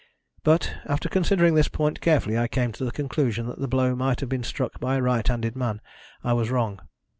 But, after considering this point carefully, I came to the conclusion that the blow might have been struck by a right handed man. I was wrong."